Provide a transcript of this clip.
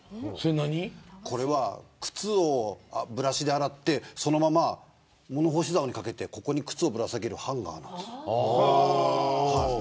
これは靴をブラシで洗ってそのまま物干しざおに掛けてここに靴をぶら下げるハンガーなんです。